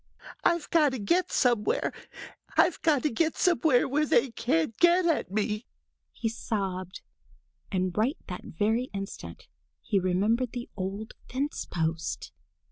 "I've got to get somewhere! I've got to get somewhere where they can't get at me!" he sobbed. And right that very instant he remembered the old fence post!